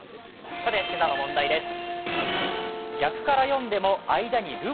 今朝の問題です。